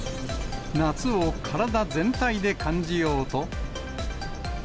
夏を体全体で感じようと。